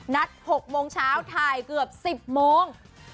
๖โมงเช้าถ่ายเกือบ๑๐โมง